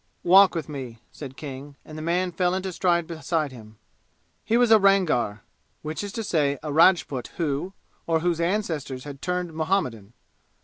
"Walk with me," said King, and the man fell into stride beside him. He was a Rangar, which is to say a Rajput who, or whose ancestors had turned Muhammadan.